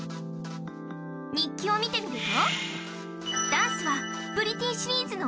日記を見てみると。